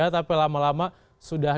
tapi lama lama sudah